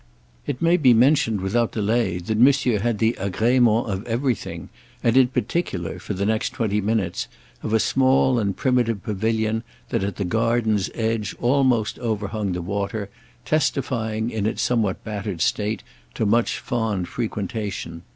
It may be mentioned without delay that Monsieur had the agrément of everything, and in particular, for the next twenty minutes, of a small and primitive pavilion that, at the garden's edge, almost overhung the water, testifying, in its somewhat battered state, to much fond frequentation.